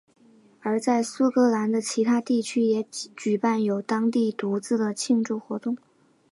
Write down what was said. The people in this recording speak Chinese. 而在苏格兰的其他地区也举办有当地独自的庆祝活动。